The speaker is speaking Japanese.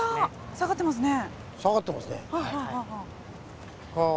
下がってますね。